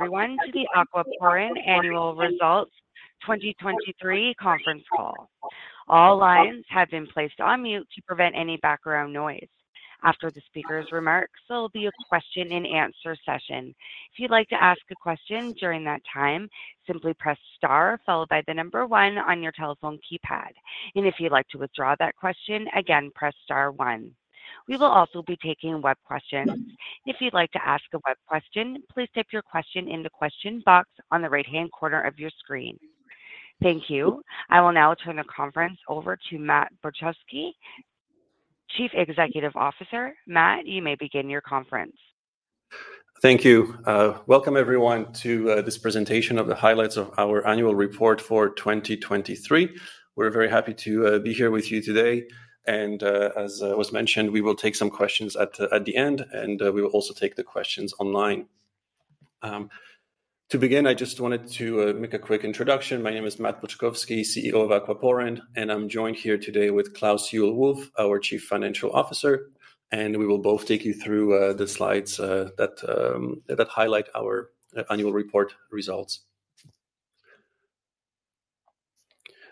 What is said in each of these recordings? Everyone to the Aquaporin Annual Results 2023 conference call. All lines have been placed on mute to prevent any background noise. After the speaker's remarks, there'll be a question-and-answer session. If you'd like to ask a question during that time, simply press star followed by the number 1 on your telephone keypad. And if you'd like to withdraw that question, again, press star 1. We will also be taking web questions. If you'd like to ask a web question, please type your question in the question box on the right-hand corner of your screen. Thank you. I will now turn the conference over to Matt Boczkowski, Chief Executive Officer. Matt, you may begin your conference. Thank you. Welcome everyone to this presentation of the highlights of our annual report for 2023. We're very happy to be here with you today. And, as was mentioned, we will take some questions at the end, and we will also take the questions online. To begin, I just wanted to make a quick introduction. My name is Matt Boczkowski, CEO of Aquaporin, and I'm joined here today with Klaus Juhl Wulff, our Chief Financial Officer. And we will both take you through the slides that highlight our annual report results.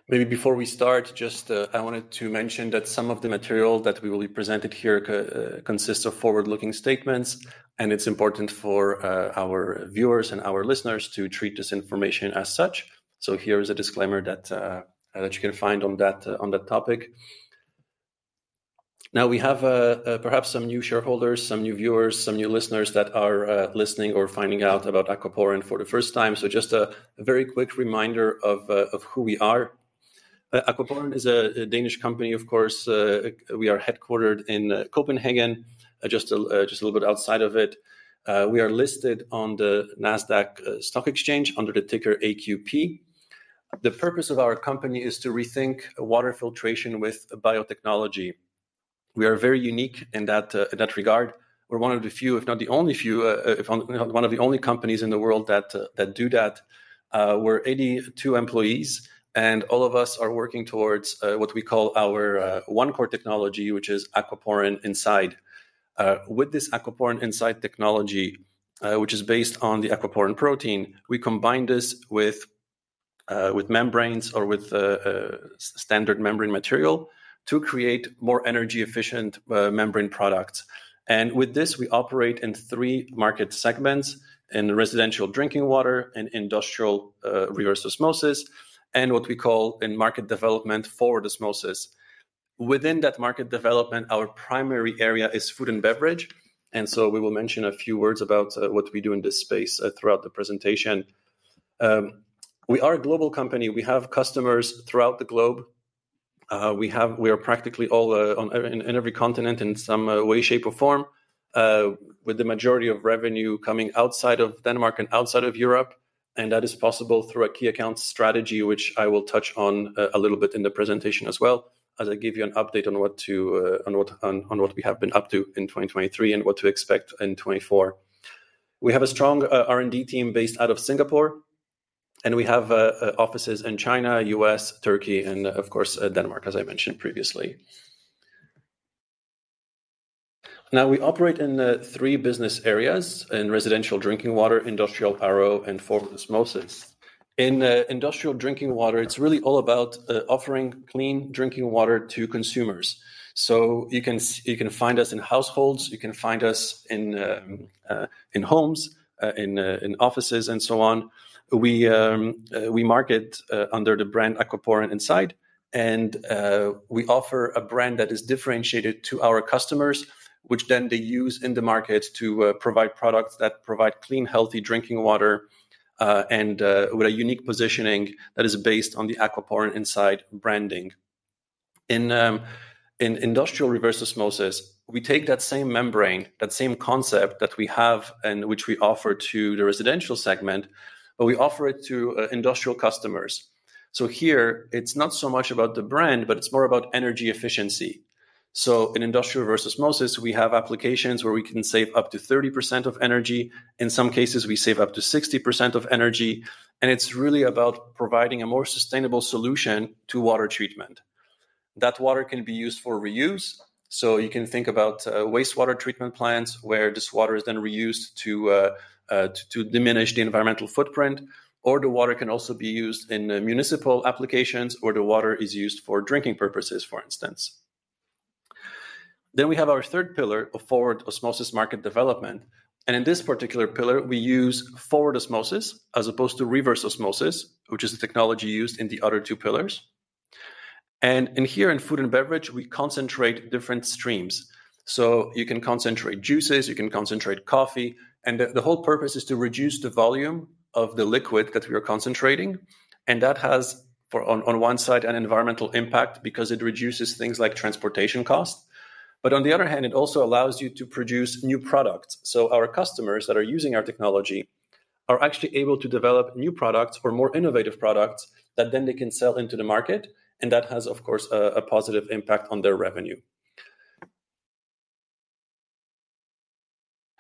Maybe before we start, just I wanted to mention that some of the material that we will be presenting here consists of forward-looking statements, and it's important for our viewers and our listeners to treat this information as such. So here is a disclaimer that you can find on that topic. Now we have, perhaps, some new shareholders, some new viewers, some new listeners that are listening or finding out about Aquaporin for the first time. So just a very quick reminder of who we are. Aquaporin is a Danish company, of course. We are headquartered in Copenhagen, just a little bit outside of it. We are listed on the Nasdaq stock exchange under the ticker AQP. The purpose of our company is to rethink water filtration with biotechnology. We are very unique in that regard. We're one of the few, if not the only few, if on one of the only companies in the world that do that. We're 82 employees, and all of us are working towards what we call our one-core technology, which is Aquaporin Inside. With this Aquaporin Inside technology, which is based on the Aquaporin protein, we combine this with membranes or with standard membrane material to create more energy-efficient membrane products. And with this, we operate in three market segments: in residential drinking water and industrial reverse osmosis, and what we call in market development forward osmosis. Within that market development, our primary area is food and beverage, and so we will mention a few words about what we do in this space throughout the presentation. We are a global company. We have customers throughout the globe. We are practically on every continent in some way, shape, or form, with the majority of revenue coming outside of Denmark and outside of Europe. And that is possible through a key accounts strategy, which I will touch on a little bit in the presentation as well, as I give you an update on what we have been up to in 2023 and what to expect in 2024. We have a strong R&D team based out of Singapore, and we have offices in China, U.S., Turkey, and, of course, Denmark, as I mentioned previously. Now we operate in three business areas: in residential drinking water, industrial RO, and forward osmosis. In residential drinking water, it's really all about offering clean drinking water to consumers. So you can find us in households. You can find us in homes, in offices, and so on. We market under the brand Aquaporin Inside, and we offer a brand that is differentiated to our customers, which then they use in the market to provide products that provide clean, healthy drinking water, and with a unique positioning that is based on the Aquaporin Inside branding. In industrial reverse osmosis, we take that same membrane, that same concept that we have and which we offer to the residential segment, but we offer it to industrial customers. So here, it's not so much about the brand, but it's more about energy efficiency. So in industrial reverse osmosis, we have applications where we can save up to 30% of energy. In some cases, we save up to 60% of energy. And it's really about providing a more sustainable solution to water treatment. That water can be used for reuse. So you can think about wastewater treatment plants where this water is then reused to diminish the environmental footprint. Or the water can also be used in municipal applications, where the water is used for drinking purposes, for instance. Then we have our third pillar of forward osmosis market development. And in this particular pillar, we use forward osmosis as opposed to reverse osmosis, which is the technology used in the other two pillars. And in here, in food and beverage, we concentrate different streams. So you can concentrate juices. You can concentrate coffee. And the whole purpose is to reduce the volume of the liquid that we are concentrating. And that has, for on one side, an environmental impact because it reduces things like transportation cost. But on the other hand, it also allows you to produce new products. So our customers that are using our technology are actually able to develop new products or more innovative products that then they can sell into the market. And that has, of course, a positive impact on their revenue.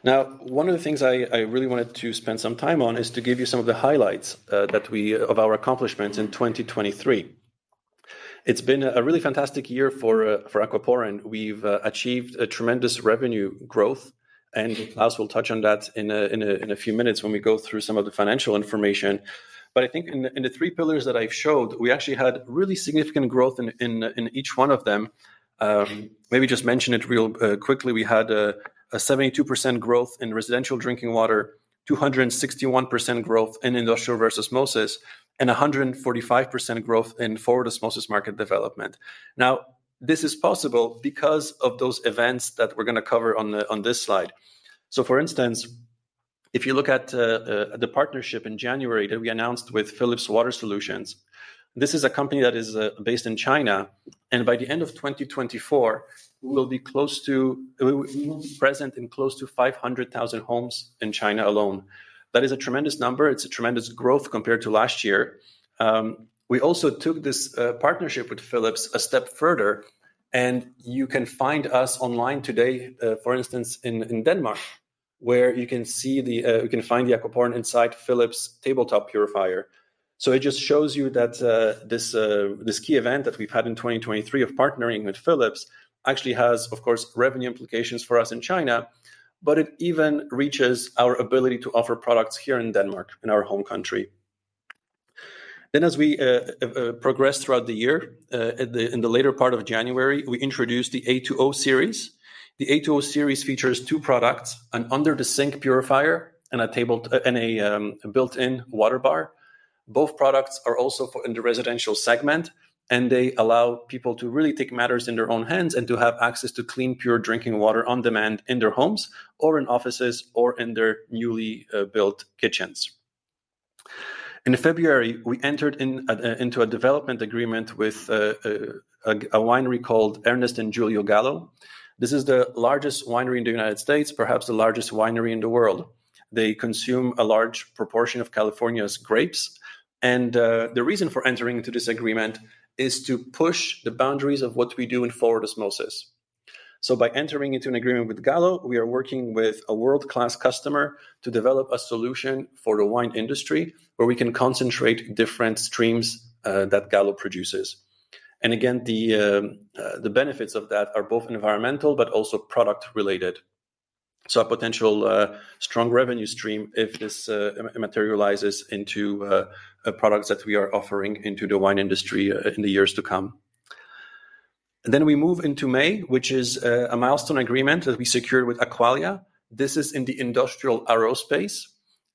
Now, one of the things I really wanted to spend some time on is to give you some of the highlights of our accomplishments in 2023. It's been a really fantastic year for Aquaporin. We've achieved tremendous revenue growth. And Klaus will touch on that in a few minutes when we go through some of the financial information. But I think in the three pillars that I've showed, we actually had really significant growth in each one of them. Maybe just mention it real quickly. We had a 72% growth in residential drinking water, 261% growth in industrial reverse osmosis, and 145% growth in forward osmosis market development. Now, this is possible because of those events that we're going to cover on this slide. So, for instance, if you look at the partnership in January that we announced with Philips Water Solutions, this is a company that is based in China. And by the end of 2024, we will be present in close to 500,000 homes in China alone. That is a tremendous number. It's a tremendous growth compared to last year. We also took this partnership with Philips a step further. And you can find us online today, for instance, in Denmark, where you can find the Aquaporin Inside Philips tabletop purifier. So it just shows you that this key event that we've had in 2023 of partnering with Philips actually has, of course, revenue implications for us in China, but it even reaches our ability to offer products here in Denmark, in our home country. Then as we progressed throughout the year, in the later part of January, we introduced the A2O series. The A2O series features two products: an under-the-sink purifier and a tabletop and a built-in water bar. Both products are also for in the residential segment, and they allow people to really take matters in their own hands and to have access to clean, pure drinking water on demand in their homes or in offices or in their newly built kitchens. In February, we entered into a development agreement with a winery called Ernest and Julio Gallo. This is the largest winery in the United States, perhaps the largest winery in the world. They consume a large proportion of California's grapes. The reason for entering into this agreement is to push the boundaries of what we do in forward osmosis. By entering into an agreement with Gallo, we are working with a world-class customer to develop a solution for the wine industry where we can concentrate different streams that Gallo produces. Again, the benefits of that are both environmental but also product-related. A potential strong revenue stream if this materializes into products that we are offering into the wine industry in the years to come. We move into May, which is a milestone agreement that we secured with Aqualia. This is in the industrial RO space,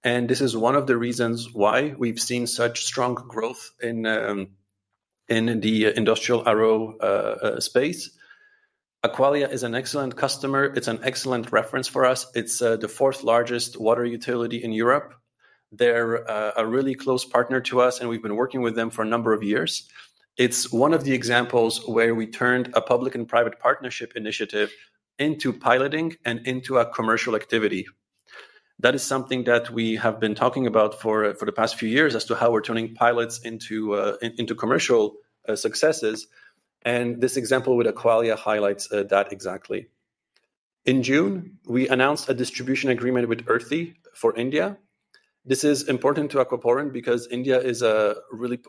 and this is one of the reasons why we've seen such strong growth in the industrial RO space. Aqualia is an excellent customer. It's an excellent reference for us. It's the fourth largest water utility in Europe. They're a really close partner to us, and we've been working with them for a number of years. It's one of the examples where we turned a public and private partnership initiative into piloting and into a commercial activity. That is something that we have been talking about for the past few years as to how we're turning pilots into commercial successes. This example with Aqualia highlights that exactly. In June, we announced a distribution agreement with Earthy for India. This is important to Aquaporin because India is a really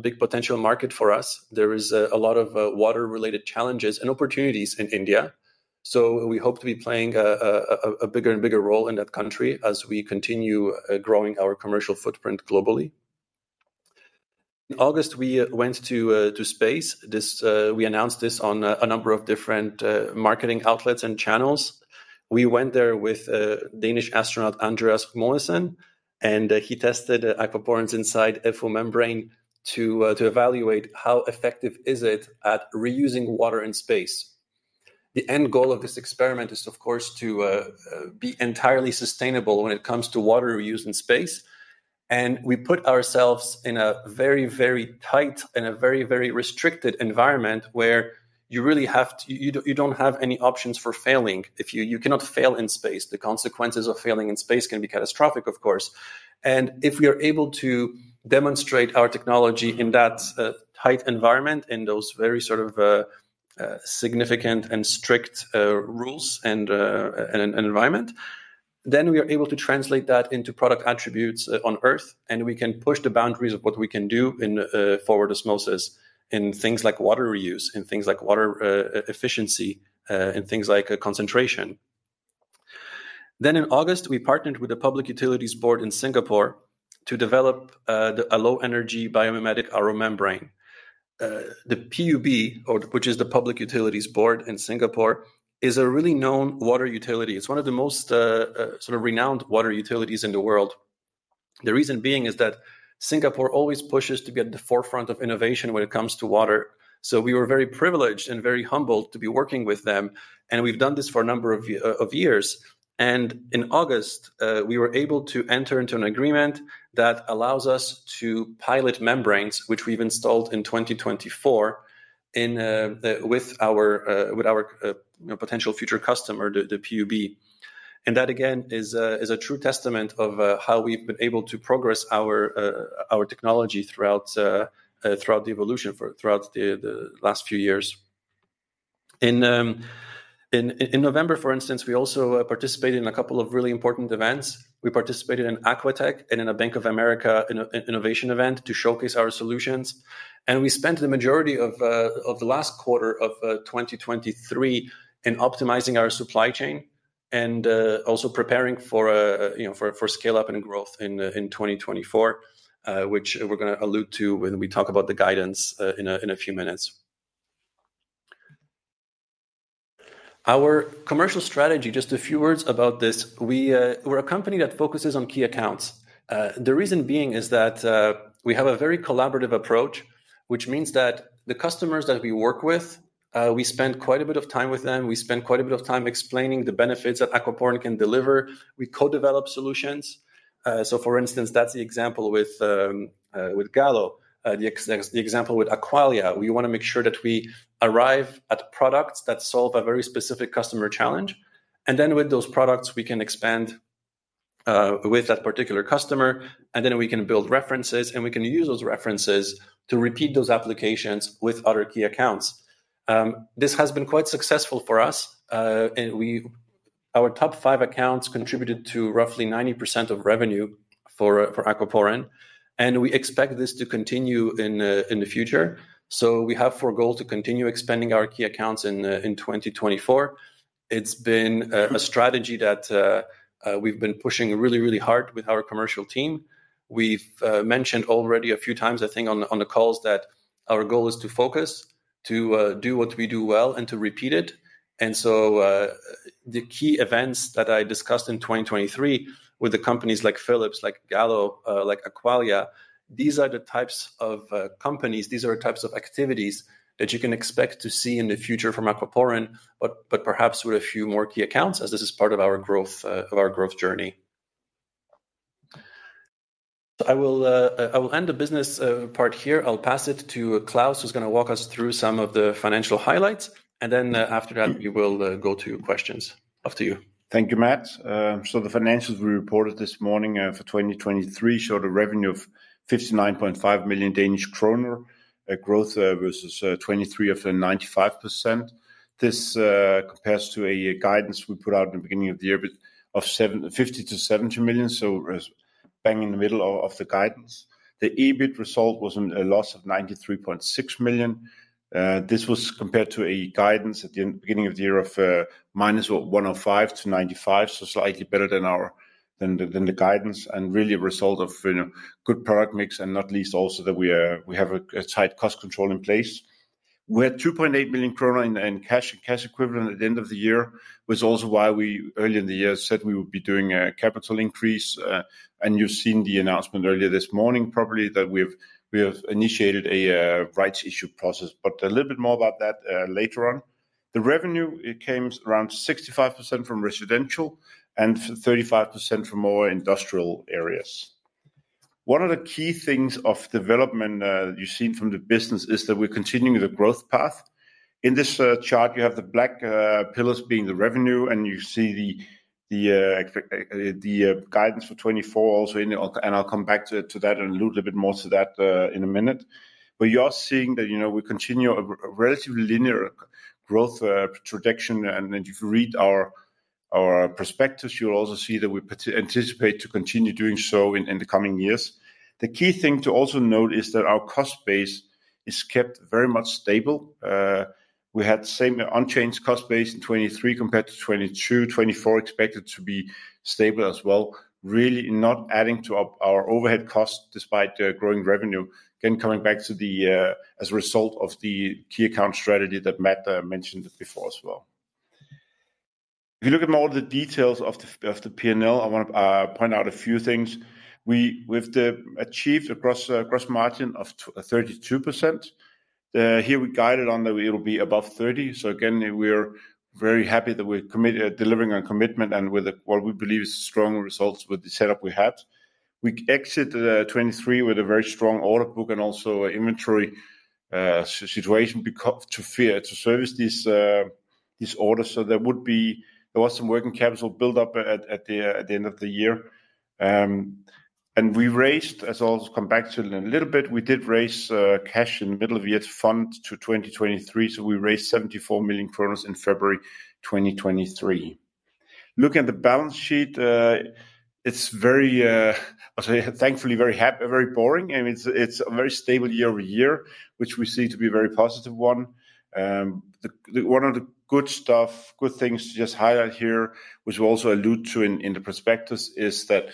big potential market for us. There is a lot of water-related challenges and opportunities in India. So we hope to be playing a bigger and bigger role in that country as we continue growing our commercial footprint globally. In August, we went to space. We announced this on a number of different marketing outlets and channels. We went there with Danish astronaut Andreas Mogensen, and he tested Aquaporin Inside FO membrane to evaluate how effective it is at reusing water in space. The end goal of this experiment is, of course, to be entirely sustainable when it comes to water reuse in space. And we put ourselves in a very, very tight and a very, very restricted environment where you really have to, you don't have any options for failing. You cannot fail in space. The consequences of failing in space can be catastrophic, of course. If we are able to demonstrate our technology in that tight environment, in those very sort of significant and strict rules and environment, then we are able to translate that into product attributes on Earth, and we can push the boundaries of what we can do in forward osmosis in things like water reuse, in things like water efficiency, in things like concentration. In August, we partnered with the Public Utilities Board in Singapore to develop a low-energy biomimetic RO membrane. The PUB, which is the Public Utilities Board in Singapore, is a really known water utility. It's one of the most sort of renowned water utilities in the world. The reason being is that Singapore always pushes to be at the forefront of innovation when it comes to water. So we were very privileged and very humbled to be working with them, and we've done this for a number of years. In August, we were able to enter into an agreement that allows us to pilot membranes, which we've installed in 2024 with our potential future customer, the PUB. That, again, is a true testament of how we've been able to progress our technology throughout the evolution, throughout the last few years. In November, for instance, we also participated in a couple of really important events. We participated in Aquatech and in a Bank of America innovation event to showcase our solutions. We spent the majority of the last quarter of 2023 in optimizing our supply chain and also preparing for scale-up and growth in 2024, which we're going to allude to when we talk about the guidance in a few minutes. Our commercial strategy, just a few words about this. We're a company that focuses on key accounts. The reason being is that we have a very collaborative approach, which means that the customers that we work with, we spend quite a bit of time with them. We spend quite a bit of time explaining the benefits that Aquaporin can deliver. We co-develop solutions. So, for instance, that's the example with Gallo, the example with Aqualia. We want to make sure that we arrive at products that solve a very specific customer challenge. And then with those products, we can expand with that particular customer. And then we can build references, and we can use those references to repeat those applications with other key accounts. This has been quite successful for us. Our top five accounts contributed to roughly 90% of revenue for Aquaporin. And we expect this to continue in the future. So we have for goal to continue expanding our key accounts in 2024. It's been a strategy that we've been pushing really, really hard with our commercial team. We've mentioned already a few times, I think, on the calls that our goal is to focus, to do what we do well, and to repeat it. And so the key events that I discussed in 2023 with the companies like Philips, like Gallo, like Aqualia, these are the types of companies. These are the types of activities that you can expect to see in the future from Aquaporin, but perhaps with a few more key accounts, as this is part of our growth journey. So I will end the business part here. I'll pass it to Klaus, who's going to walk us through some of the financial highlights. Then after that, we will go to questions. Off to you. Thank you, Matt. So the financials we reported this morning for 2023 showed a revenue of 59.5 million Danish kroner, growth versus 23 of the 95%. This compares to a guidance we put out in the beginning of the year of 50 million-70 million, so bang in the middle of the guidance. The EBIT result was a loss of 93.6 million. This was compared to a guidance at the beginning of the year of -105 million to -95 million, so slightly better than the guidance, and really a result of a good product mix. Not least also that we have a tight cost control in place. We had 2.8 million krone in cash and cash equivalent at the end of the year, which is also why we early in the year said we would be doing a capital increase. And you've seen the announcement earlier this morning, probably, that we have initiated a rights issue process. But a little bit more about that later on. The revenue came around 65% from residential and 35% from more industrial areas. One of the key things of development you've seen from the business is that we're continuing the growth path. In this chart, you have the black pillars being the revenue, and you see the guidance for 2024 also in the and I'll come back to that and allude a little bit more to that in a minute. But you are seeing that we continue a relatively linear growth trajectory. If you read our perspectives, you'll also see that we anticipate to continue doing so in the coming years. The key thing to also note is that our cost base is kept very much stable. We had the same unchanged cost base in 2023 compared to 2022. 2024 expected to be stable as well, really not adding to our overhead costs despite the growing revenue. Again, coming back to, as a result of the key account strategy that Matt mentioned before as well. If you look at more of the details of the P&L, I want to point out a few things. We've achieved a gross margin of 32%. Here we guided on that it'll be above 30%. So again, we're very happy that we're delivering on commitment and with what we believe is strong results with the setup we had. We exited 2023 with a very strong order book and also an inventory situation to service these orders. So there was some working capital buildup at the end of the year. We raised, as I'll also come back to it in a little bit. We did raise cash in the middle of the year to fund 2023. So we raised 74 million in February 2023. Looking at the balance sheet, it's very thankfully very boring. I mean, it's a very stable year-over-year, which we see to be a very positive one. One of the good things to just highlight here, which we also allude to in the prospectus, is that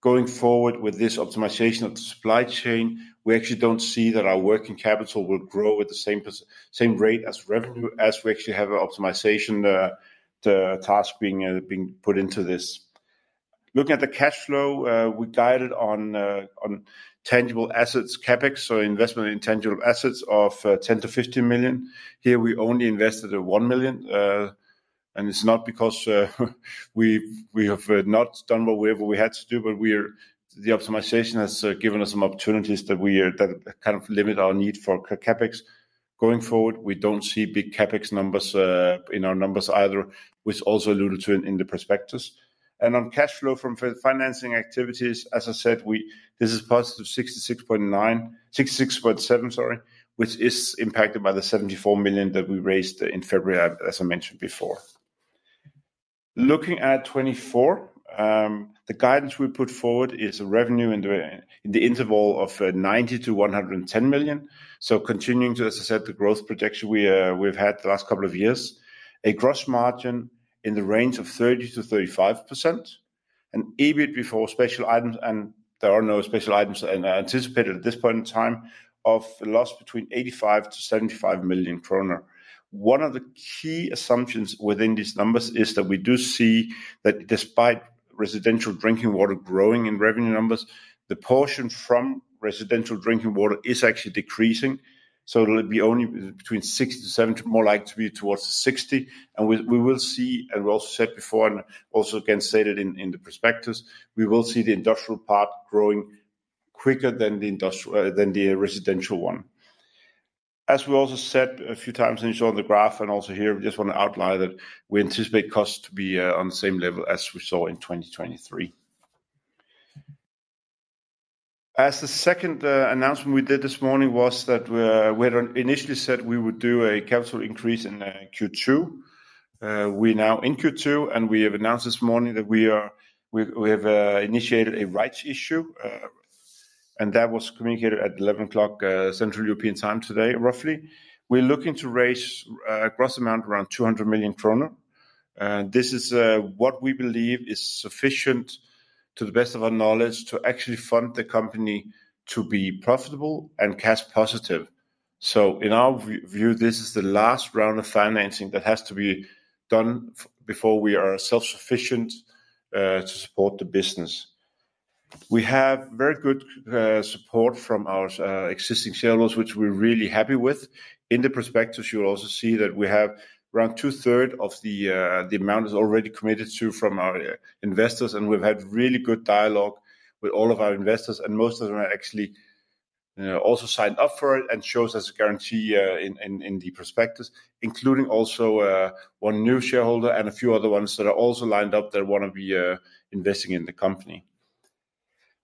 going forward with this optimization of the supply chain, we actually don't see that our working capital will grow at the same rate as revenue as we actually have an optimization task being put into this. Looking at the cash flow, we guided on tangible assets, CapEx, so investment in tangible assets of 10 million-15 million. Here, we only invested 1 million. It's not because we have not done whatever we had to do, but the optimization has given us some opportunities that kind of limit our need for CapEx. Going forward, we don't see big CapEx numbers in our numbers either, which also alluded to in the prospectus. On cash flow from financing activities, as I said, this is positive 66.7 million, sorry, which is impacted by the 74 million that we raised in February, as I mentioned before. Looking at 2024, the guidance we put forward is a revenue in the interval of 90 million-110 million. So continuing to, as I said, the growth projection we've had the last couple of years, a gross margin in the range of 30%-35%, an EBIT before special items, and there are no special items anticipated at this point in time, of a loss between 85 million-75 million kroner. One of the key assumptions within these numbers is that we do see that despite residential drinking water growing in revenue numbers, the portion from residential drinking water is actually decreasing. So it'll be only between 60-70, more likely to be towards 60. We will see, and we also said before and also again stated in the prospectus, we will see the industrial part growing quicker than the residential one. As we also said a few times and showed on the graph and also here, we just want to outline that we anticipate costs to be on the same level as we saw in 2023. As the second announcement we did this morning was that we had initially said we would do a capital increase in Q2. We're now in Q2, and we have announced this morning that we have initiated a rights issue. That was communicated at 11:00 Central European Time today, roughly. We're looking to raise a gross amount around 200 million kroner. This is what we believe is sufficient, to the best of our knowledge, to actually fund the company to be profitable and cash positive. So in our view, this is the last round of financing that has to be done before we are self-sufficient to support the business. We have very good support from our existing shareholders, which we're really happy with. In the prospectus, you'll also see that we have around two-thirds of the amount is already committed to from our investors. And we've had really good dialogue with all of our investors. And most of them have actually also signed up for it and shows as a guarantee in the prospectus, including also one new shareholder and a few other ones that are also lined up that want to be investing in the company.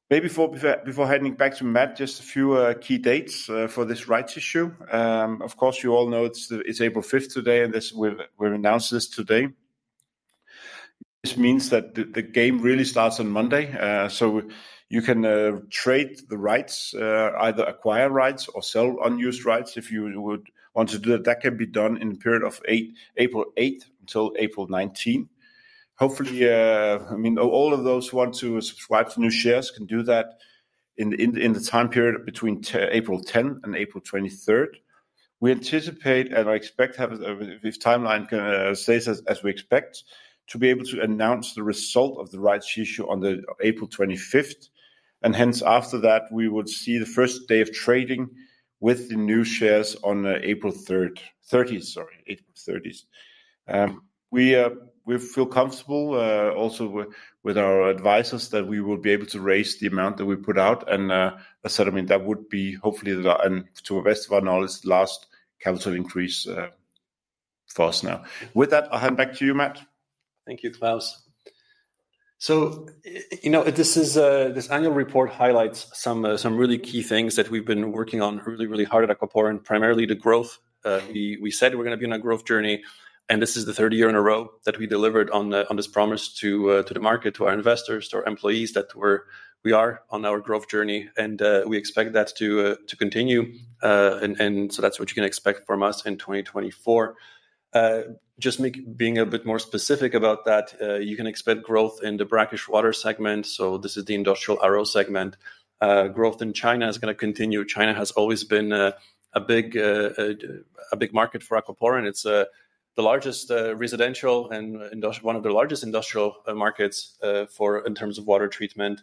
Maybe before heading back to Matt, just a few key dates for this rights issue. Of course, you all know it's April 5th today, and we've announced this today. This means that the game really starts on Monday. So you can trade the rights, either acquire rights or sell unused rights if you would want to do that. That can be done in the period of April 8th until April 19th. Hopefully, I mean, all of those who want to subscribe to new shares can do that in the time period between April 10th and April 23rd. We anticipate and I expect, if timeline stays as we expect, to be able to announce the result of the rights issue on April 25th. And hence, after that, we would see the first day of trading with the new shares on April 30th, sorry, April 30th. We feel comfortable also with our advisors that we will be able to raise the amount that we put out. And I mean, that would be hopefully, and to the best of our knowledge, the last capital increase for us now. With that, I'll hand back to you, Matt. Thank you, Klaus. So this annual report highlights some really key things that we've been working on really, really hard at Aquaporin, primarily the growth. We said we're going to be on a growth journey. And this is the third year in a row that we delivered on this promise to the market, to our investors, to our employees that we are on our growth journey. And we expect that to continue. And so that's what you can expect from us in 2024. Just being a bit more specific about that, you can expect growth in the brackish water segment. So this is the industrial RO segment. Growth in China is going to continue. China has always been a big market for Aquaporin. It's the largest residential and one of the largest industrial markets in terms of water treatment.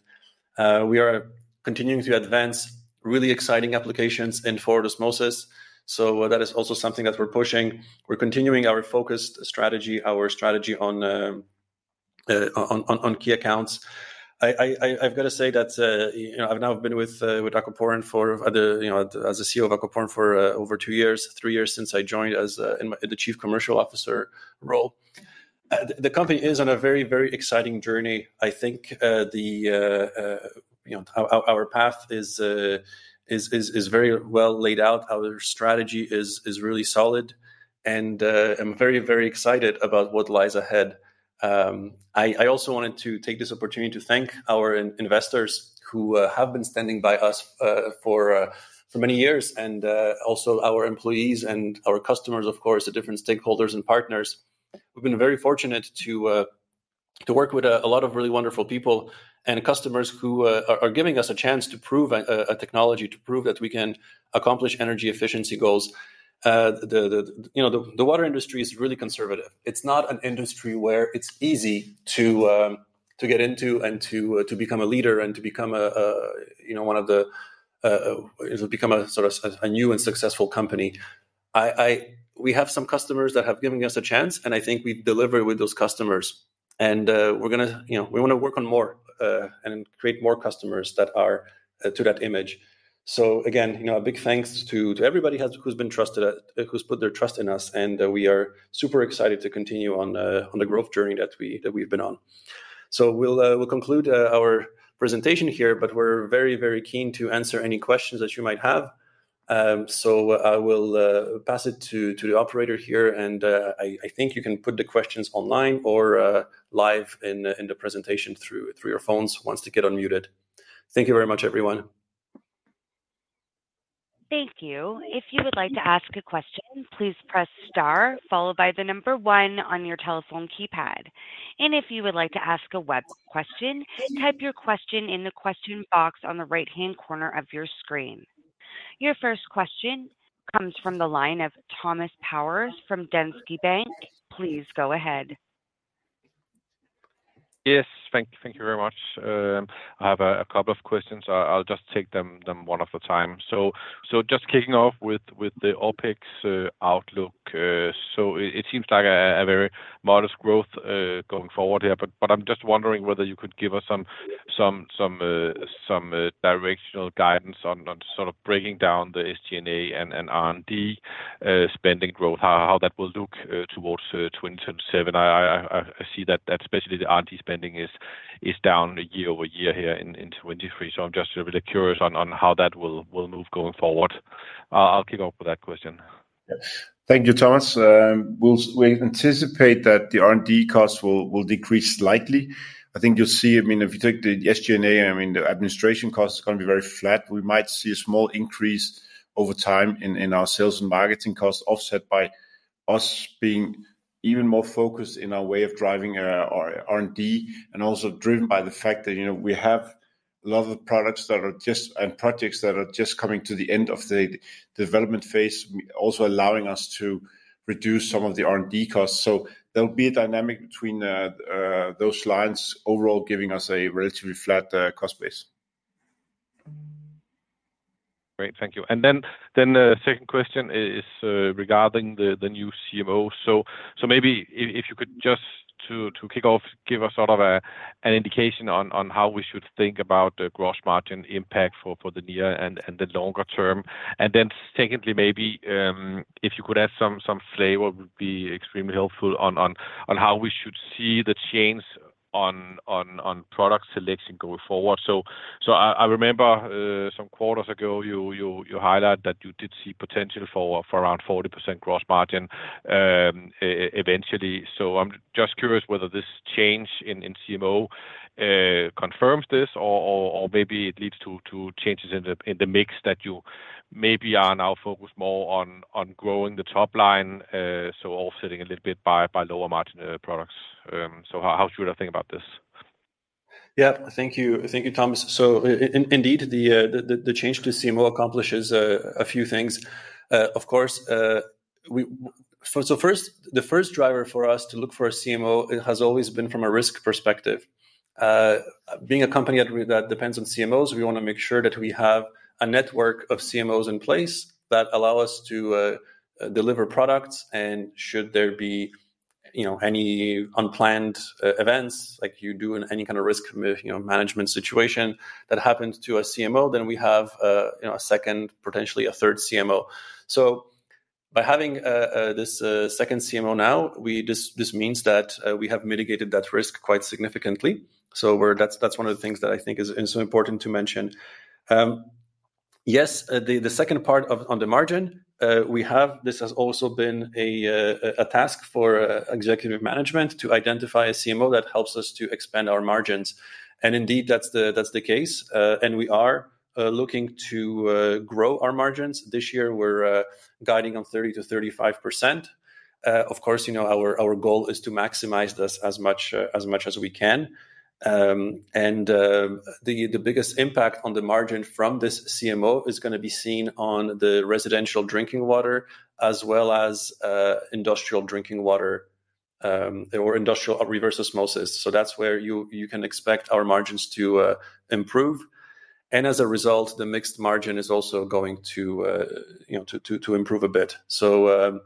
We are continuing to advance really exciting applications in forward osmosis. So that is also something that we're pushing. We're continuing our focused strategy, our strategy on key accounts. I've got to say that I've now been with Aquaporin as the CEO of Aquaporin for over 2 years, 3 years since I joined as the Chief Commercial Officer role. The company is on a very, very exciting journey. I think our path is very well laid out. Our strategy is really solid. And I'm very, very excited about what lies ahead. I also wanted to take this opportunity to thank our investors who have been standing by us for many years, and also our employees and our customers, of course, the different stakeholders and partners. We've been very fortunate to work with a lot of really wonderful people and customers who are giving us a chance to prove a technology, to prove that we can accomplish energy efficiency goals. The water industry is really conservative. It's not an industry where it's easy to get into and to become a leader and to become a sort of a new and successful company. We have some customers that have given us a chance, and I think we deliver with those customers. We want to work on more and create more customers to that image. So again, a big thanks to everybody who's trusted us, who's put their trust in us. We are super excited to continue on the growth journey that we've been on. So we'll conclude our presentation here, but we're very, very keen to answer any questions that you might have. So I will pass it to the operator here. And I think you can put the questions online or live in the presentation through your phones once they get unmuted. Thank you very much, everyone. Thank you. If you would like to ask a question, please press star followed by the number one on your telephone keypad. And if you would like to ask a web question, type your question in the question box on the right-hand corner of your screen. Your first question comes from the line of Thomas Bowers from Danske Bank. Please go ahead. Yes. Thank you very much. I have a couple of questions. I'll just take them one at a time. So just kicking off with the OpEx outlook. So it seems like a very modest growth going forward here. But I'm just wondering whether you could give us some directional guidance on sort of breaking down the SG&A and R&D spending growth, how that will look towards 2027. I see that especially the R&D spending is down year-over-year here in 2023. So I'm just really curious on how that will move going forward. I'll kick off with that question. Thank you, Thomas. We anticipate that the R&D costs will decrease slightly. I think you'll see, I mean, if you take the SG&A, I mean, the administration cost is going to be very flat. We might see a small increase over time in our sales and marketing costs offset by us being even more focused in our way of driving R&D and also driven by the fact that we have a lot of products that are just and projects that are just coming to the end of the development phase, also allowing us to reduce some of the R&D costs. So there'll be a dynamic between those lines, overall giving us a relatively flat cost base. Great. Thank you. And then the second question is regarding the new CMO. So maybe if you could just to kick off, give us sort of an indication on how we should think about the gross margin impact for the near and the longer term. And then secondly, maybe if you could add some flavor would be extremely helpful on how we should see the change on product selection going forward. So I remember some quarters ago, you highlighted that you did see potential for around 40% gross margin eventually. So I'm just curious whether this change in CMO confirms this or maybe it leads to changes in the mix that you maybe are now focused more on growing the top line, so offsetting a little bit by lower margin products. So how should I think about this? Yeah. Thank you. Thank you, Thomas. So indeed, the change to CMO accomplishes a few things. Of course, so first, the first driver for us to look for a CMO has always been from a risk perspective. Being a company that depends on CMOs, we want to make sure that we have a network of CMOs in place that allow us to deliver products. Should there be any unplanned events, like you do in any kind of risk management situation, that happens to a CMO, then we have a second, potentially a third CMO. By having this second CMO now, this means that we have mitigated that risk quite significantly. That's one of the things that I think is so important to mention. Yes, the second part on the margin, we have this has also been a task for executive management to identify a CMO that helps us to expand our margins. Indeed, that's the case. We are looking to grow our margins. This year, we're guiding on 30%-35%. Of course, our goal is to maximize this as much as we can. And the biggest impact on the margin from this CMO is going to be seen on the residential drinking water as well as industrial drinking water or industrial reverse osmosis. So that's where you can expect our margins to improve. And as a result, the mixed margin is also going to improve a bit. So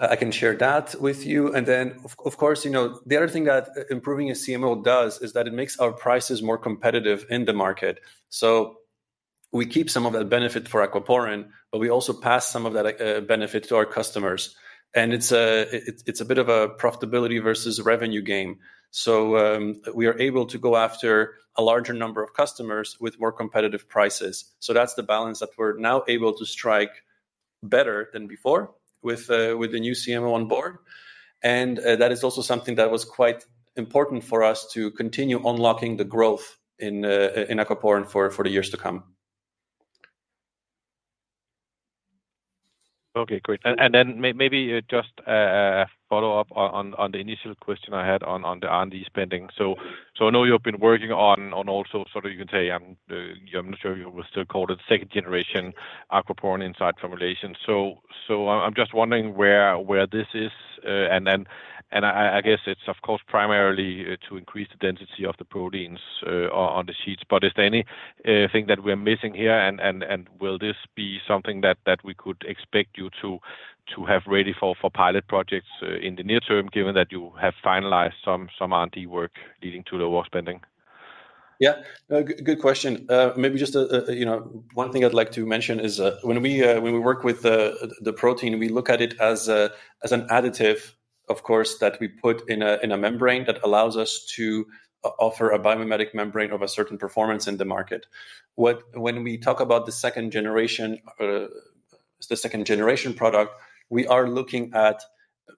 I can share that with you. And then, of course, the other thing that improving a CMO does is that it makes our prices more competitive in the market. So we keep some of that benefit for Aquaporin, but we also pass some of that benefit to our customers. And it's a bit of a profitability versus revenue game. So we are able to go after a larger number of customers with more competitive prices. So that's the balance that we're now able to strike better than before with the new CMO on board. And that is also something that was quite important for us to continue unlocking the growth in Aquaporin for the years to come. Okay. Great. And then maybe just a follow-up on the initial question I had on the R&D spending. So I know you've been working on also sort of you can say I'm not sure if you would still call it second-generation Aquaporin Inside formulation. So I'm just wondering where this is. And I guess it's, of course, primarily to increase the density of the proteins on the sheets. But is there anything that we are missing here? And will this be something that we could expect you to have ready for pilot projects in the near term, given that you have finalized some R&D work leading to lower spending? Yeah. Good question. Maybe just one thing I'd like to mention is when we work with the protein, we look at it as an additive, of course, that we put in a membrane that allows us to offer a biomimetic membrane of a certain performance in the market. When we talk about the second-generation product, we are looking at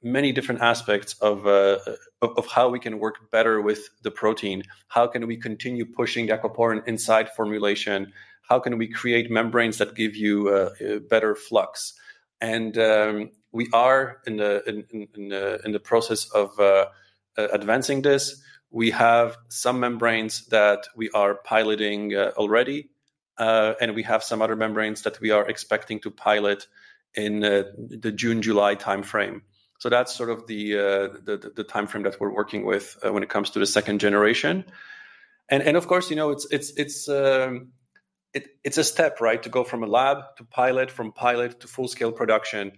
many different aspects of how we can work better with the protein. How can we continue pushing Aquaporin Inside formulation? How can we create membranes that give you better flux? And we are in the process of advancing this. We have some membranes that we are piloting already. We have some other membranes that we are expecting to pilot in the June-July time frame. That's sort of the time frame that we're working with when it comes to the second generation. Of course, it's a step, right, to go from a lab to pilot, from pilot to full-scale production.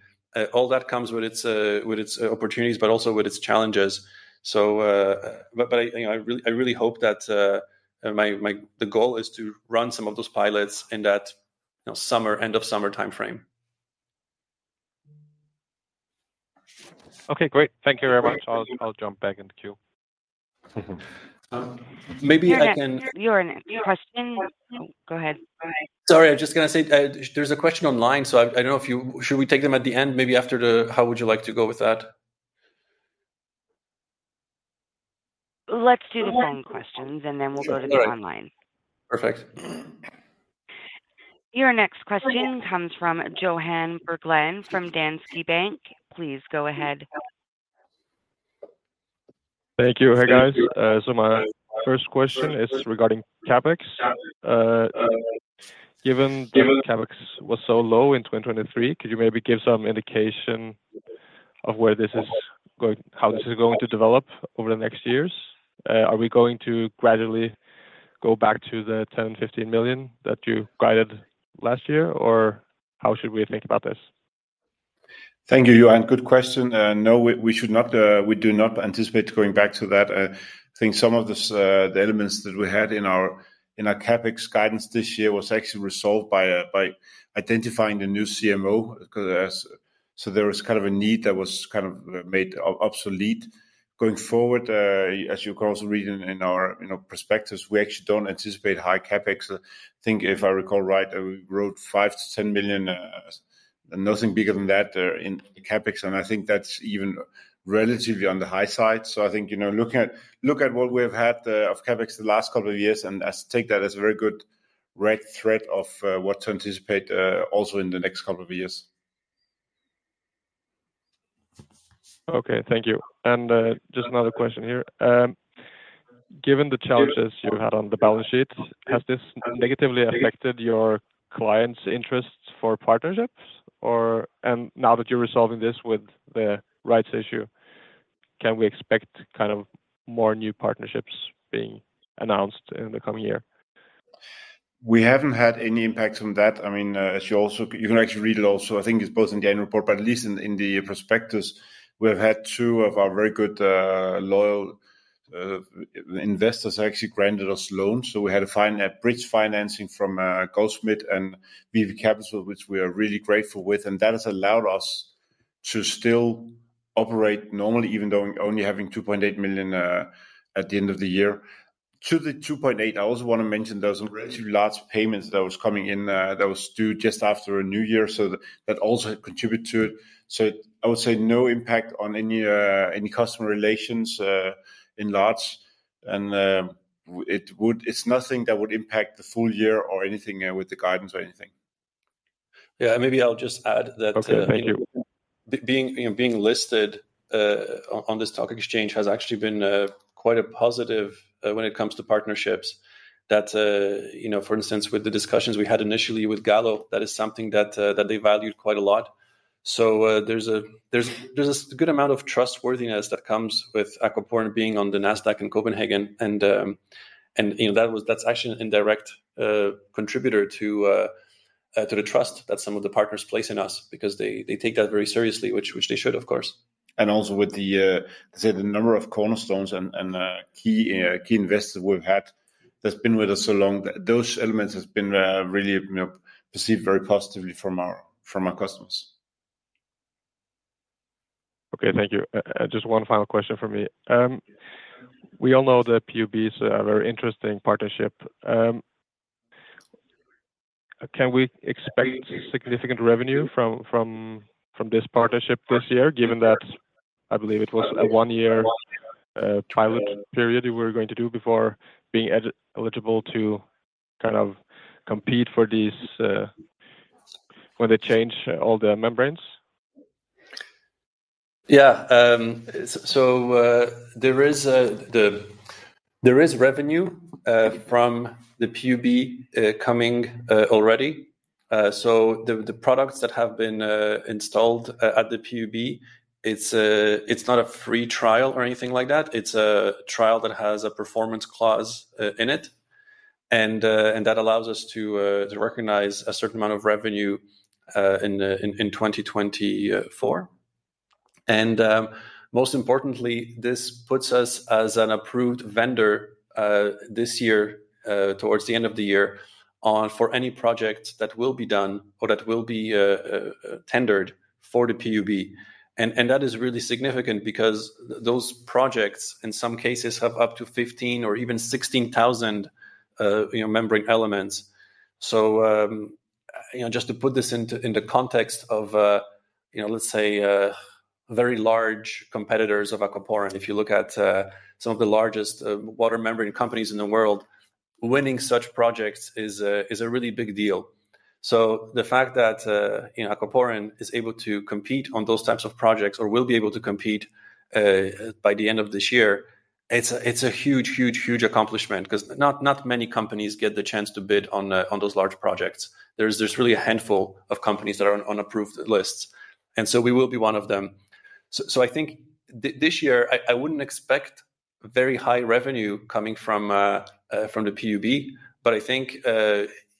All that comes with its opportunities, but also with its challenges. I really hope that the goal is to run some of those pilots in that end-of-summer time frame. Okay. Great. Thank you very much. I'll jump back in the queue. Maybe I can. You have a question? Go ahead. Sorry. I was just going to say there's a question online. So I don't know if you should we take them at the end, maybe after the how would you like to go with that? Let's do the phone questions, and then we'll go to the online. Perfect. Your next question comes from Johan Berglund from Danske Bank. Please go ahead. Thank you. Hey, guys. So my first question is regarding CapEx. Given that CapEx was so low in 2023, could you maybe give some indication of how this is going to develop over the next years? Are we going to gradually go back to the 10 million and 15 million that you guided last year, or how should we think about this? Thank you, Johan. Good question. No, we do not anticipate going back to that. I think some of the elements that we had in our CapEx guidance this year was actually resolved by identifying the new CMO. So there was kind of a need that was kind of made obsolete. Going forward, as you can also read in our prospectus, we actually don't anticipate high CapEx. I think, if I recall right, we wrote 5 million-10 million, nothing bigger than that in CapEx. I think that's even relatively on the high side. I think look at what we have had of CapEx the last couple of years and take that as a very good red thread of what to anticipate also in the next couple of years. Okay. Thank you. Just another question here. Given the challenges you've had on the balance sheet, has this negatively affected your clients' interests for partnerships? Now that you're resolving this with the rights issue, can we expect kind of more new partnerships being announced in the coming year? We haven't had any impact from that. I mean, as you can actually read also, I think it's both in the end report, but at least in the prospectus, we have had two of our very good, loyal investors actually granted us loans. So we had a bridge financing from Goldschmidt and VP Capital, which we are really grateful with. And that has allowed us to still operate normally, even though only having 2.8 million at the end of the year. To the 2.8, I also want to mention there's some relatively large payments that was coming in that was due just after a new year. So that also contributed to it. So I would say no impact on any customer relations in large. And it's nothing that would impact the full year or anything with the guidance or anything. Yeah. And maybe I'll just add that being listed on this stock exchange has actually been quite positive when it comes to partnerships. For instance, with the discussions we had initially with Gallo, that is something that they valued quite a lot. So there's a good amount of trustworthiness that comes with Aquaporin being on the Nasdaq in Copenhagen. And that's actually an indirect contributor to the trust that some of the partners place in us because they take that very seriously, which they should, of course. And also with the number of cornerstones and key investors we've had that's been with us so long, those elements have been really perceived very positively from our customers. Okay. Thank you. Just one final question for me. We all know that PUB is a very interesting partnership. Can we expect significant revenue from this partnership this year, given that I believe it was a one-year pilot period you were going to do before being eligible to kind of compete for these when they change all the membranes? Yeah. So there is. The revenue from the PUB coming already. So the products that have been installed at the PUB, it's not a free trial or anything like that. It's a trial that has a performance clause in it. And that allows us to recognize a certain amount of revenue in 2024. And most importantly, this puts us as an approved vendor this year towards the end of the year for any project that will be done or that will be tendered for the PUB. And that is really significant because those projects, in some cases, have up to 15 or even 16,000 membrane elements. Just to put this into context of, let's say, very large competitors of Aquaporin, if you look at some of the largest water membrane companies in the world, winning such projects is a really big deal. The fact that Aquaporin is able to compete on those types of projects or will be able to compete by the end of this year, it's a huge, huge, huge accomplishment because not many companies get the chance to bid on those large projects. There's really a handful of companies that are on approved lists. We will be one of them. I think this year, I wouldn't expect very high revenue coming from the PUB. But I think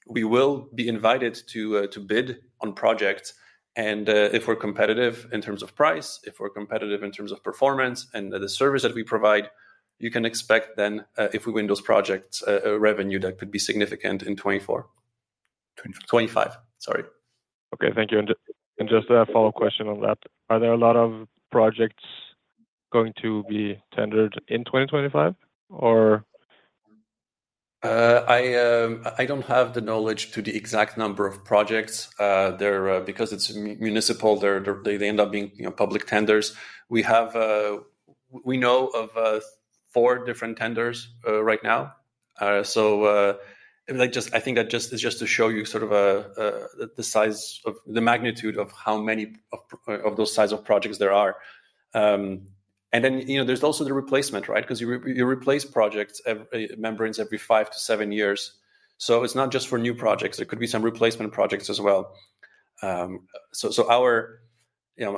we will be invited to bid on projects. If we're competitive in terms of price, if we're competitive in terms of performance, and the service that we provide, you can expect then, if we win those projects, revenue that could be significant in 2024. 2025. 2025. Sorry. Okay. Thank you. Just a follow-up question on that. Are there a lot of projects going to be tendered in 2025, or? I don't have the knowledge to the exact number of projects. Because it's municipal, they end up being public tenders. We know of 4 different tenders right now. So I think that is just to show you sort of the magnitude of how many of those size of projects there are. Then there's also the replacement, right? Because you replace projects, membranes, every 5-7 years. So it's not just for new projects. There could be some replacement projects as well. So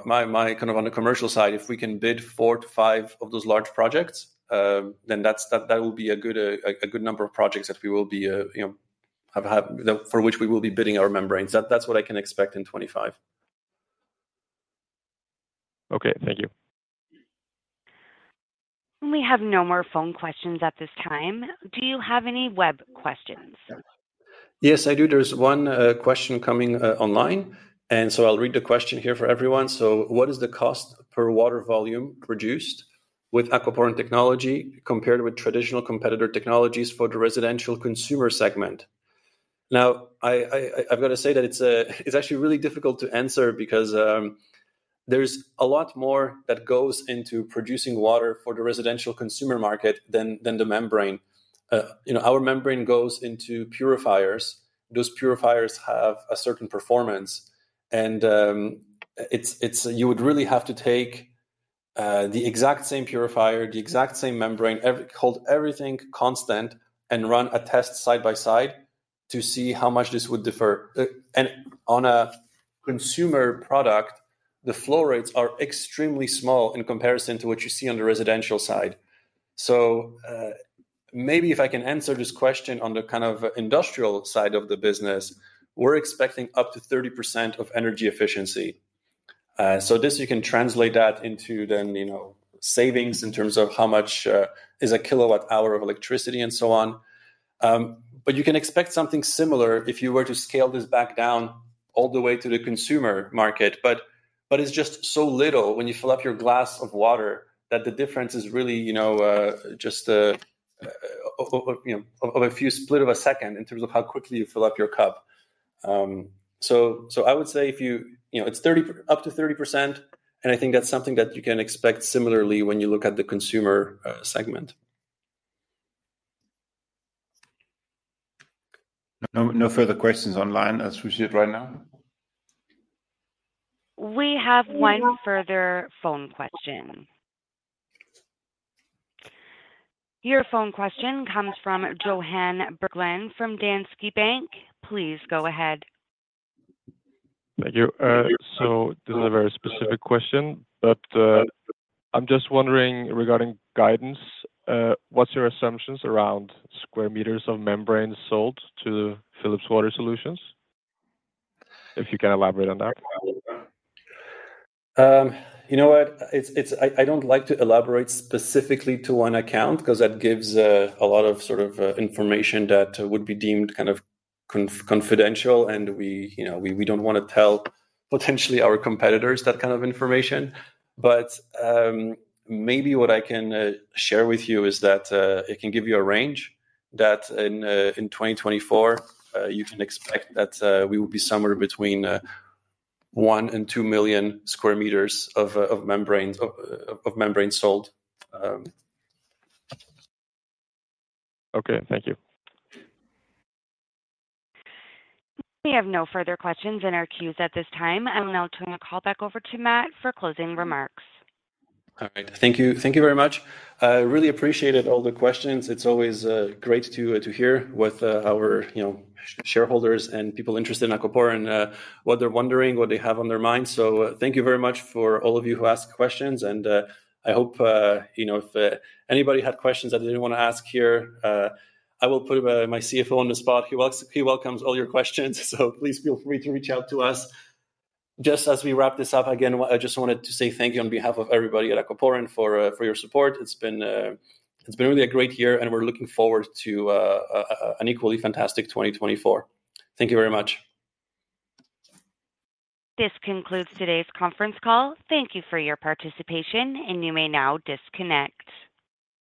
my kind of on the commercial side, if we can bid 4-5 of those large projects, then that will be a good number of projects that we will be for which we will be bidding our membranes. That's what I can expect in 2025. Okay. Thank you. We have no more phone questions at this time. Do you have any web questions? Yes, I do. There's one question coming online. And so I'll read the question here for everyone. So what is the cost per water volume produced with Aquaporin technology compared with traditional competitor technologies for the residential consumer segment? Now, I've got to say that it's actually really difficult to answer because there's a lot more that goes into producing water for the residential consumer market than the membrane. Our membrane goes into purifiers. Those purifiers have a certain performance. You would really have to take the exact same purifier, the exact same membrane, hold everything constant, and run a test side-by-side to see how much this would differ. On a consumer product, the flow rates are extremely small in comparison to what you see on the residential side. Maybe if I can answer this question on the kind of industrial side of the business, we're expecting up to 30% of energy efficiency. You can translate that into then savings in terms of how much is a kilowatt-hour of electricity and so on. But you can expect something similar if you were to scale this back down all the way to the consumer market. But it's just so little when you fill up your glass of water that the difference is really just of a few split of a second in terms of how quickly you fill up your cup. So I would say if you it's up to 30%. And I think that's something that you can expect similarly when you look at the consumer segment. No further questions online as we see it right now? We have one further phone question. Your phone question comes from Johan Berglund from Danske Bank. Please go ahead. Thank you. So this is a very specific question. But I'm just wondering regarding guidance, what's your assumptions around square meters of membranes sold to Philips Water Solutions, if you can elaborate on that? You know what? I don't like to elaborate specifically to one account because that gives a lot of sort of information that would be deemed kind of confidential. We don't want to tell potentially our competitors that kind of information. Maybe what I can share with you is that it can give you a range that in 2024, you can expect that we will be somewhere between 1 million-2 million square meters of membranes sold. Okay. Thank you. We have no further questions in our queues at this time. I will now turn the call back over to Matt for closing remarks. All right. Thank you very much. I really appreciated all the questions. It's always great to hear with our shareholders and people interested in Aquaporin what they're wondering, what they have on their minds. Thank you very much for all of you who asked questions. I hope if anybody had questions that they didn't want to ask here, I will put my CFO on the spot. He welcomes all your questions. So please feel free to reach out to us. Just as we wrap this up again, I just wanted to say thank you on behalf of everybody at Aquaporin for your support. It's been really a great year. And we're looking forward to an equally fantastic 2024. Thank you very much. This concludes today's conference call. Thank you for your participation. And you may now disconnect.